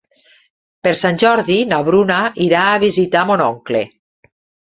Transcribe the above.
Per Sant Jordi na Bruna irà a visitar mon oncle.